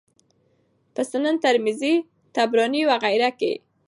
په سنن ترمذي، طبراني وغيره کي